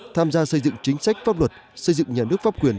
tham gia xây dựng chính sách pháp luật xây dựng nhà nước pháp quyền